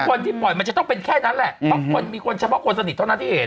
คนที่ปล่อยมันจะต้องเป็นแค่นั้นแหละเพราะคนมีคนเฉพาะคนสนิทเท่านั้นที่เห็น